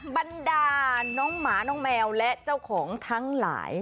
บรรดาน้องหมาน้องแมวและเจ้าของทั้งหลาย